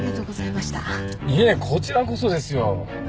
いえこちらこそですよ。